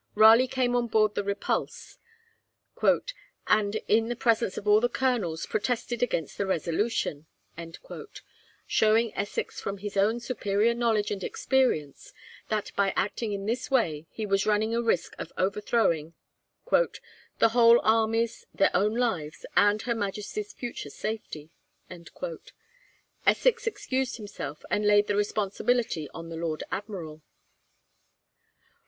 Raleigh came on board the 'Repulse,' 'and in the presence of all the colonels protested against the resolution,' showing Essex from his own superior knowledge and experience that by acting in this way he was running a risk of overthrowing 'the whole armies, their own lives, and her Majesty's future safety.' Essex excused himself, and laid the responsibility on the Lord Admiral.